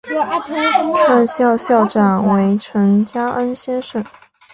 创校校长为陈加恩先生。